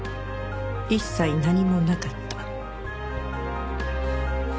一切何もなかった。